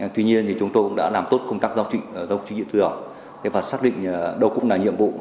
tuy nhiên thì chúng tôi cũng đã làm tốt công tác giao trị giao trị nhiệm vụ và xác định đâu cũng là nhiệm vụ